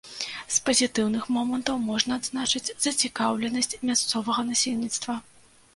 З пазітыўных момантаў можна адзначыць зацікаўленасць мясцовага насельніцтва.